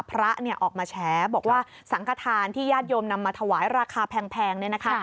พระเนี่ยออกมาแฉบอกว่าสังขทานที่ญาติโยมนำมาถวายราคาแพงเนี่ยนะคะ